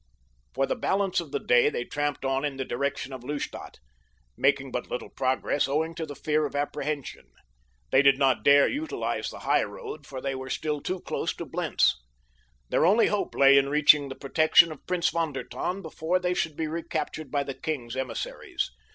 For the balance of the day they tramped on in the direction of Lustadt, making but little progress owing to the fear of apprehension. They did not dare utilize the high road, for they were still too close to Blentz. Their only hope lay in reaching the protection of Prince von der Tann before they should be recaptured by the king's emissaries.